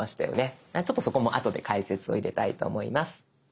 ちょっとそこもあとで解説を入れたいと思います。